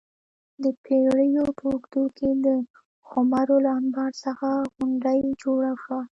د پېړیو په اوږدو کې د خُمرو له انبار څخه غونډۍ جوړه شوه